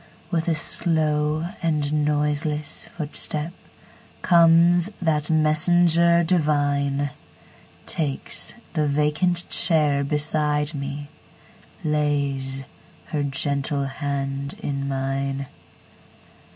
With a slow and noiseless footstepComes that messenger divine, Takes the vacant chair beside me, Lays her gentle hand in mine.